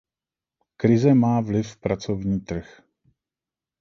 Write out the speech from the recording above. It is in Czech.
Krize má vliv pracovní trh.